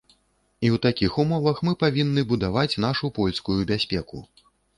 І ў такіх умовах мы павінны будаваць нашую польскую бяспеку.